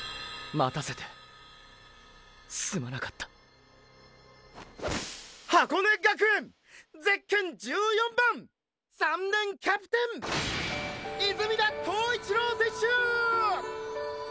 待たせてーーすまなかった「箱根学園ゼッケン１４番３年キャプテン泉田塔一郎選手！！」